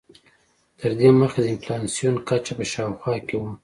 تر دې مخکې د انفلاسیون کچه په شاوخوا کې وه.